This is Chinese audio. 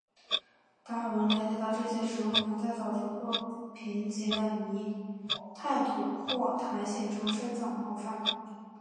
达尔文了解到这些植物能在沼泽或贫瘠的泥炭土或苔藓中生长茂盛。